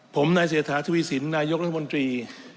ผมนายเสถาธุวิสินนายกรัฐมนตรี